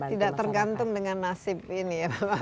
jadi tidak tergantung dengan nasib ini ya pak